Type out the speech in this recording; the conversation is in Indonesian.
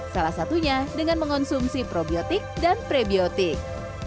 salah satunya dengan mengonsumsi probiotik dan prebiotik